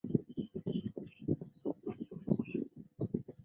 多须草科是棕榈目植物的一科。